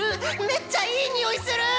めっちゃいい匂いする！